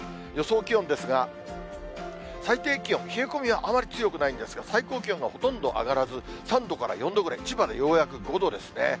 予想気温ですが、最低気温、冷え込みはあまり強くないんですが、最高気温がほとんど上がらず、３度から４度ぐらい、千葉でようやく５度ですね。